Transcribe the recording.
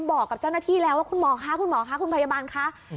บอกกับเจ้าหน้าที่แล้วว่าคุณหมอคะคุณหมอคะคุณพยาบาลคะ